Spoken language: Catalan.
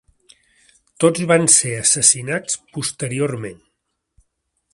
Tots van ser assassinats posteriorment.